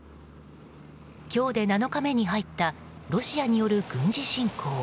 今日で７日目に入ったロシアによる軍事侵攻。